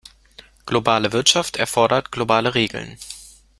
Globale Wirtschaft erfordert globale Regeln.